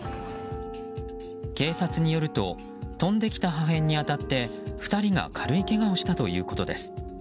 警察によると飛んできた破片に当たって２人が軽いけがをしたということです。